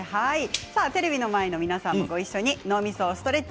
テレビの前の皆さんもごいっしょに脳みそをストレッチ。